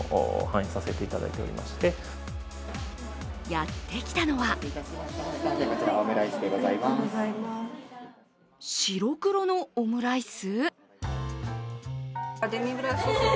やってきたのは白黒のオムライス！？